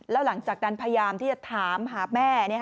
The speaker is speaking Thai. แล้วหลังจากแดนพยายามที่จะถามหาแม่เนี่ยค่ะ